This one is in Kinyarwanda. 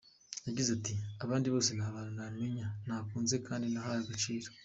Yagize ati “Abandi bose ni abantu namenye, nakunze kandi nahaye agaciro.